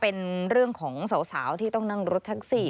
เป็นเรื่องของสาวที่ต้องนั่งรถแท็กซี่